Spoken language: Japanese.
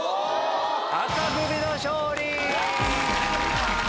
紅組の勝利。